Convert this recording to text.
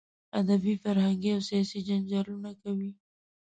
ادبي، فرهنګي او سیاسي جنجالونه کوي.